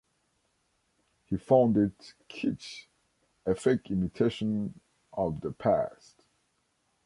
He found it "kitsch, a fake imitation of the past".